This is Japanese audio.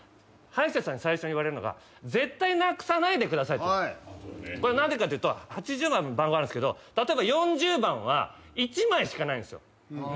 歯医者さんに最初に言われるのが「絶対なくさないでください」これ何でかっていうと８０番番号あるんですけど例えば４０番は１枚しかないんですよ。